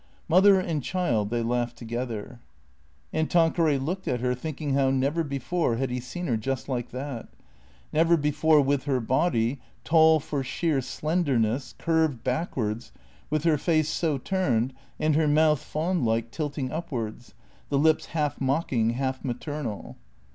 Mother and child they laughed together. And Tanqueray looked at her, thinking how never before had he seen her just like that; never before with her body, tall for sheer slenderness, curved backwards, with her face so turned, and her mouth, fawn like, tilting upwards, the lips half mock ing, half maternal.